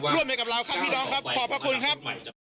ร่วมไปกับเราครับพี่น้องครับขอบพระคุณครับ